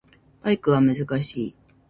バイクは難しい